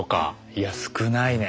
いや少ないね。